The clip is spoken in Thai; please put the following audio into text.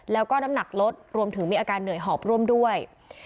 แล้วก็น้ำหนักลดรวมถึงมีอาการเหนื่อยหอบร่วมด้วย